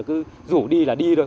cứ rủ đi là đi thôi